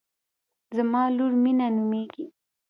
زما لور مینه نومیږي